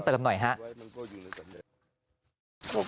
เติมหน่อยครับ